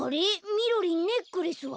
みろりんネックレスは？